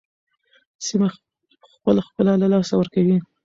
سیمه خپل ښکلا له لاسه ورکوي.